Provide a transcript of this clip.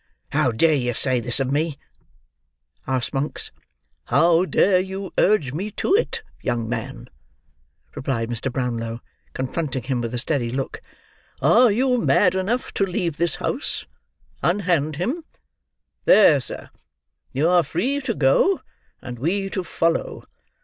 "How dare you say this of me?" asked Monks. "How dare you urge me to it, young man?" replied Mr. Brownlow, confronting him with a steady look. "Are you mad enough to leave this house? Unhand him. There, sir. You are free to go, and we to follow.